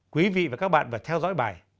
quý vị và các bạn phải theo dõi bài